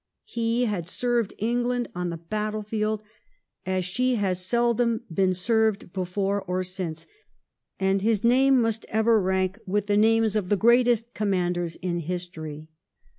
He had served England on the battlefield as she has seldom been served before or since, and his name must ever rank with the names 122 THE KEIGN OF QUEEN ANNE. ch. xxvi. of the greatest commanders in history.